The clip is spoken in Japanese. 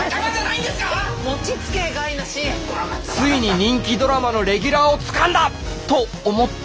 ついに人気ドラマのレギュラーをつかんだ！と思った